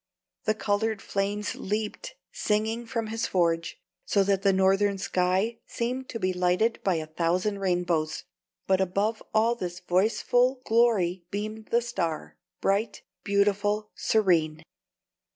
The colored flames leaped singing from his forge, so that the Northern sky seemed to be lighted by a thousand rainbows; but above all this voiceful glory beamed the Star, bright, beautiful, serene.